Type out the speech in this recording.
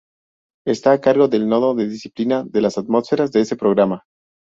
Está a cargo del Nodo de Disciplina de las Atmósferas de ese programa.